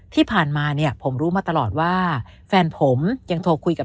ที่ผ่านมาเนี่ยผมรู้มาตลอดว่าแฟนผมยังโทรคุยกับ